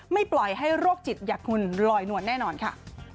ปล่อยให้โรคจิตอย่างคุณลอยนวลแน่นอนค่ะ